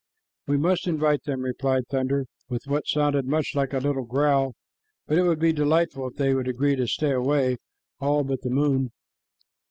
"We must invite them," replied Thunder, with what sounded much like a little growl, "but it would be delightful if they would agree to stay away, all but the moon."